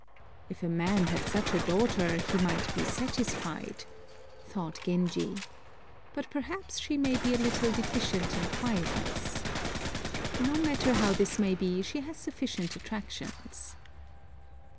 "If a man had such a daughter, he might be satisfied," thought Genji. "But perhaps she may be a little deficient in quietness. No matter how this may be, she has sufficient attractions."